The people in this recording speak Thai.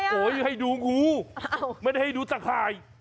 ไม่ได้ให้ดูหูไม่ได้ให้ดูตักข่าย